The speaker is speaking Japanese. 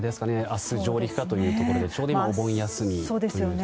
明日、上陸かというところでちょうど今お盆休みですね。